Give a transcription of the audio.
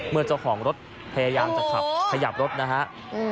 เจ้าของรถพยายามจะขับขยับรถนะฮะ